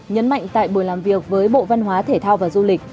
nhấn mạnh tại buổi làm việc với bộ văn hóa thể thao và du lịch